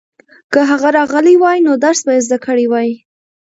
که هغه راغلی وای نو درس به یې زده کړی وای.